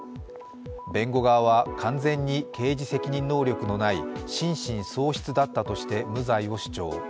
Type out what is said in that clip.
弁護側は完全に刑事責任能力のない心神喪失だったとして無罪を主張。